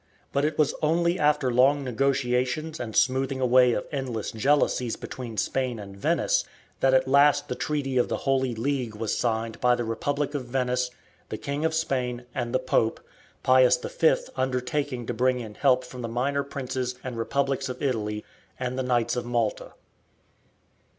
But it was only after long negotiations and smoothing away of endless jealousies between Spain and Venice, that at last the treaty of the "Holy League" was signed by the Republic of Venice, the King of Spain, and the Pope, Pius V undertaking to bring in help from the minor Princes and Republics of Italy and the Knights of Malta.